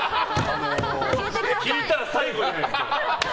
これ聞いたら最後じゃないですか。